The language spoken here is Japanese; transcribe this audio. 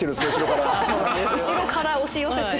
後ろから押し寄せて。